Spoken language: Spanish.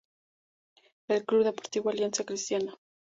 El Club Deportivo Alianza Cristiana.